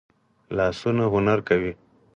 لاسونه هنر کوي